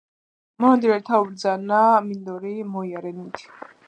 მონადირეთა უბრძანა: "მინდორნი მოიარენით,